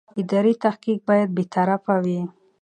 اداري تحقیق باید بېطرفه وي.